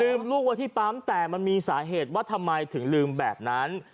ลูกไว้ที่ปั๊มแต่มันมีสาเหตุว่าทำไมถึงลืมแบบนั้น